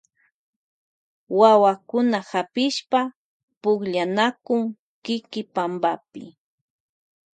Wawakuna hapishpa pukllanakun kiki pampapi.